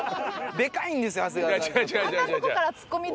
でかいんですよ長谷川さん。